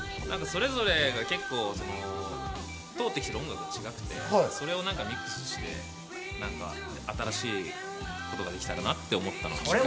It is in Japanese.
それぞれが通ってきた音楽が違って、それをミックスして、新しいことができたらなって思ったんで。